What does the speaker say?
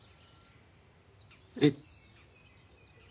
えっ。